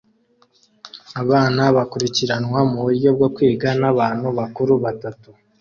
Abana bakurikiranwa muburyo bwo kwiga nabantu bakuru batatu